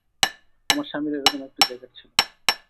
আমার স্বামীর এরকম একটা জ্যাকেট ছিল।